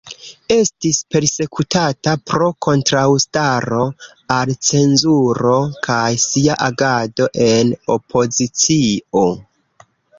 Estis persekutata pro kontraŭstaro al cenzuro kaj sia agado en opozicio.